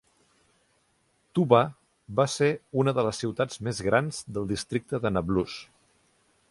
Tuba va ser una de les ciutats més grans del districte de Nablus.